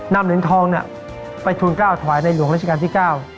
นำเหลืองทองไปทุนก้าวสวายในหลวงรัชกาลที่๙